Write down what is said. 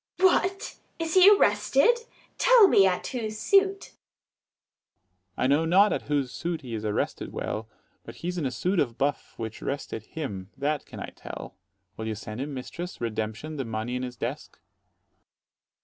Adr. What, is he arrested? Tell me at whose suit. Dro. S. I know not at whose suit he is arrested well; But he's in a suit of buff which 'rested him, that can I tell. 45 Will you send him, mistress, redemption, the money in his desk?